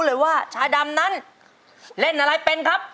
เลยว่าชายดำนั้นเล่นอะไรเป็นครับ